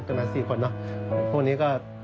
กระมาท๔คนนะพวกนี้ก็